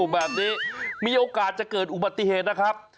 แบบนี้มีโอกาสจะเกิดอุบัติเหตุนะครับ